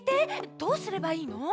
どうすればいいの？